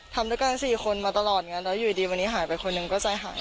ทำด้วยกัน๔คนมาตลอดงั้นแล้วอยู่ดีวันนี้หายไปคนหนึ่งก็ใจหาย